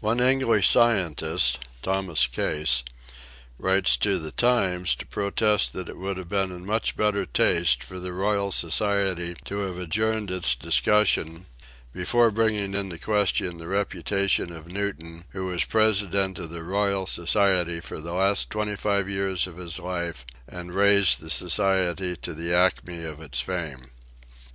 One English scientist, Thomas Case, writes to The Times to protest that it would have been in much better taste for the Royal Society to have adjourned its dis cussion " before bringing into question the reputation 78 EASY LESSONS IN EINSTEIN of Newton, who was President of the Royal Society for the last twenty five years of his life and raised the society to the acme of its fame."